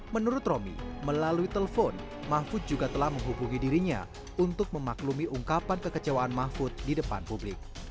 menurut romi melalui telepon mahfud juga telah menghubungi dirinya untuk memaklumi ungkapan kekecewaan mahfud di depan publik